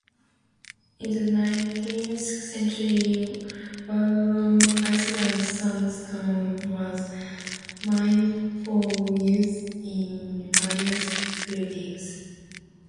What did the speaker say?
In the nineteenth century Waldron Island sandstone was mined for use in various buildings.